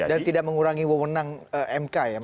dan tidak mengurangi wewenang mk ya mas